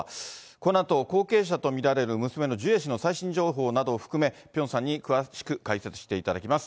このあと、後継者と見られる娘のジュエ氏の最新情報などを含め、ピョンさんに詳しく解説していただきます。